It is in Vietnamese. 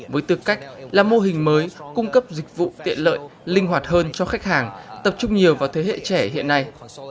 với tư cách là mô hình mới cung cấp dịch vụ tiện lợi linh hoạt hơn cho khách hàng tập trung nhiều vào thế hệ trẻ hiện nay